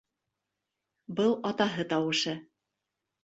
- Был атаһы тауышы.